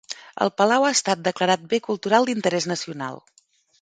El palau ha estat declarat Bé Cultural d'Interès Nacional.